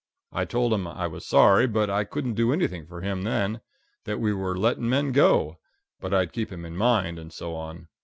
I told him I was sorry, but I couldn't do anything for him then; that we were letting men go, but I'd keep him in mind, and so on.